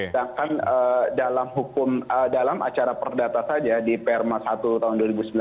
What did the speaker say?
sedangkan dalam acara perdata saja di perma satu tahun dua ribu sembilan belas